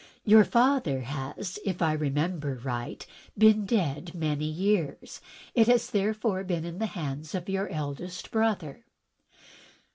Your father has, if I remember right, been dead many years. It has, therefore, been in the hands of your eldest brother."